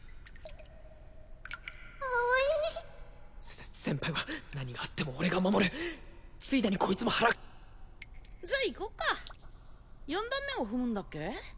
葵せせ先輩は何があっても俺が守るついでにこいつも祓うじゃ行こっか四段目を踏むんだっけ？